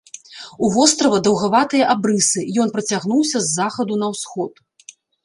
У вострава даўгаватыя абрысы, ён працягнуўся з захаду на ўсход.